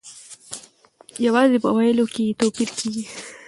یوازې په ویلو کې یې توپیر کیږي.